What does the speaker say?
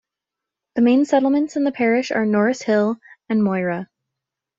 The main settlements in the parish are Norris Hill and Moira.